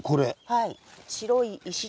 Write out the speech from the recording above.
はい。